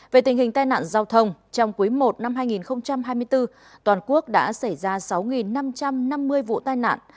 về tình hình tai nạn giao thông trong quý i năm hai nghìn hai mươi bốn toàn quốc đã xảy ra sáu năm trăm năm mươi vụ tai nạn